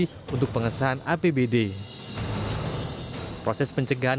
ketua umum pan meyakini ada kekelirian